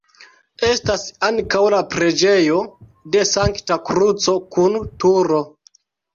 Estas ankaŭ la preĝejo de Sankta Kruco kun turo.